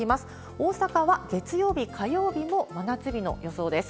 大阪は月曜日、火曜日も真夏日の予想です。